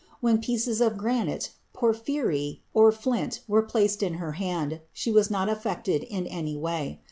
When pieces of granite, porphyry, or flint were placed in her hand, she was not affected in any way.